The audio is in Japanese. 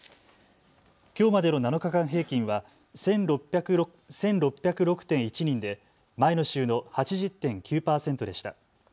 きょうまでの７日間平均は１６０６．１人で前の週の８０．９％でした。